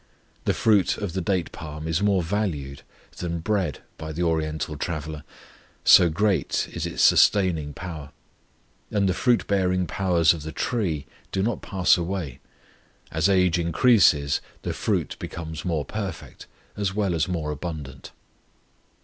The fruit of the date palm is more valued than bread by the Oriental traveller, so great is its sustaining power; and the fruit bearing powers of the tree do not pass away; as age increases the fruit becomes more perfect as well as more abundant.